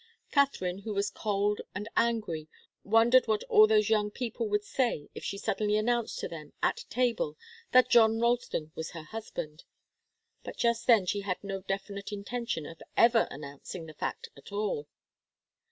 Katharine, who was cold and angry, wondered what all those young people would say if she suddenly announced to them, at table, that John Ralston was her husband. But just then she had no definite intention of ever announcing the fact at all.